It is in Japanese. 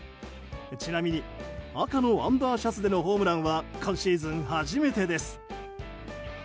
ちなみに赤のアンダーシャツでのホームランは今シーズン初めてです。